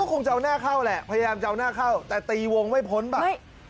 คงจะเอาหน้าเข้าแหละพยายามจะเอาหน้าเข้าแต่ตีวงไม่พ้นป่ะ